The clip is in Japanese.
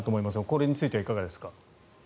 これについてはいかがですか。